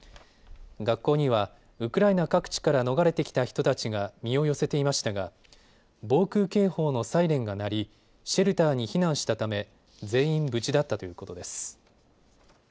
学校にはウクライナ各地から逃れてきた人たちが身を寄せていましたが防空警報のサイレンが鳴りシェルターに避難したため全員無事だったということです。